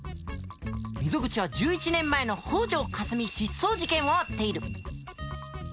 溝口は１１年前の北條かすみ失踪事件を追っている。